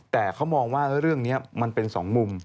แต่เขามองว่าเรื่องนี้มันเป็นสองมุม